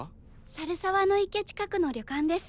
猿沢池近くの旅館です。